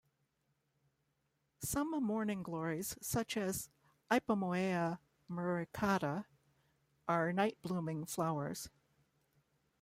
Some morning glories, such as "Ipomoea muricata", are night-blooming flowers.